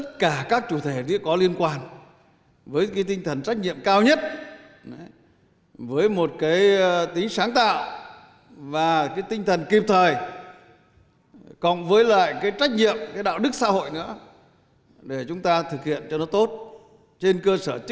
trong đó tập trung tháo gỡ các khó khăn vườn mắt trên tinh thần cắt giảm tối đa thủ tục hành chính